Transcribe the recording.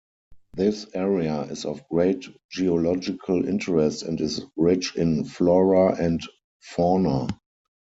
This area is of great geological interest and is rich in flora and fauna.